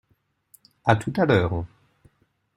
À tout à l’heure.